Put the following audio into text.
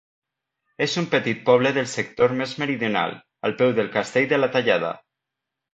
És un petit poble del sector més meridional, al peu del Castell de la Tallada.